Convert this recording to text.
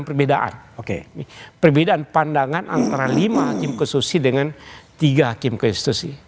perbedaan oke perbedaan pandangan antara lima hakim konstitusi dengan tiga hakim konstitusi